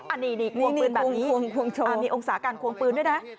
อันนี้ควงปืนแบบนี้มีองศาการควงปืนด้วยนะ